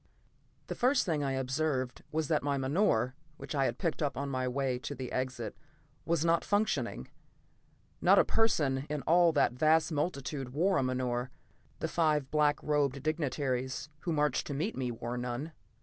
The first thing I observed was that my menore, which I had picked up on my way to the exit, was not functioning. Not a person in all that vast multitude wore a menore; the five black robed dignitaries who marched to meet me wore none.